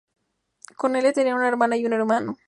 Cornelia tenía una hermana y un hermano.